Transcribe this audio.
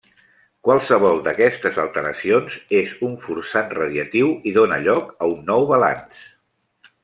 Qualsevol d'aquestes alteracions és un forçant radiatiu, i dóna lloc a un nou balanç.